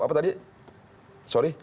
apa tadi sorry